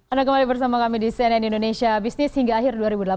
anda kembali bersama kami di cnn indonesia business hingga akhir dua ribu delapan belas